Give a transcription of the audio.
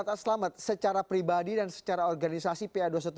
pak selamat secara pribadi dan secara organisasi pa dua ratus dua belas